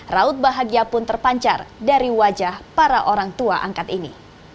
raut bahagia pun terpancar dari wajah para orang tua angkat ini